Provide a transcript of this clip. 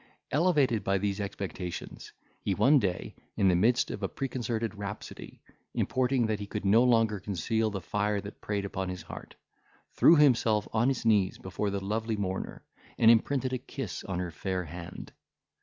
Elevated by these expectations, he one day, in the midst of a preconcerted rhapsody, importing that he could no longer conceal the fire that preyed upon his heart, threw himself on his knees before the lovely mourner, and imprinted a kiss on her fair hand.